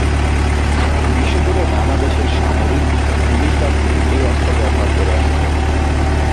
বিশ্বজুড়ে নানা দেশের সামরিক ও পুলিশ বাহিনী এই অস্ত্র ব্যবহার করে আসছে।